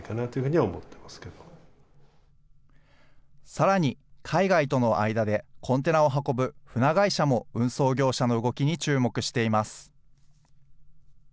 さらに海外との間でコンテナを運ぶ船会社も、運送業者の動きに注目しています。